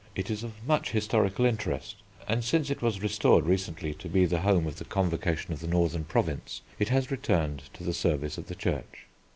It is of much historical interest, and since it was restored recently to be the home of the Convocation of the Northern Province, it has returned to the service of the church.